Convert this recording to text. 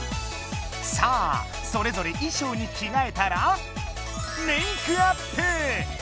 さあそれぞれいしょうにきがえたらメークアップ！